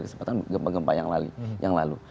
kesempatan gempa gempa yang lalu